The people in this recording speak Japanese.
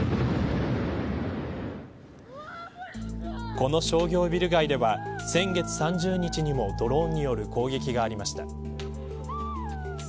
この商業ビル街では先月３０日にも、ドローンによる攻撃がありました。